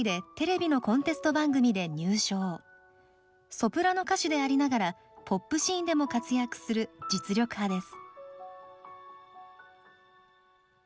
ソプラノ歌手でありながらポップシーンでも活躍する実力派です。